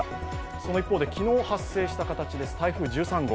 その一方で昨日発生した形です、台風１３号